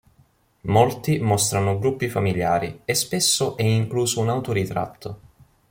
Molti mostrano gruppi familiari, e spesso è incluso un autoritratto.